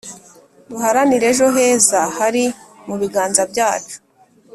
Duharanire ejo heza hari mu biganza byacu